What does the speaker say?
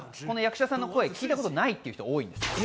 役者さんの声、聞いたことないって人が多いです。